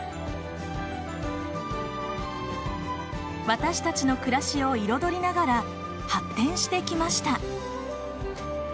私たちの暮らしを彩りながら発展してきました。